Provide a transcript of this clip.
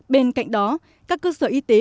bên cạnh đó các cơ sở y tế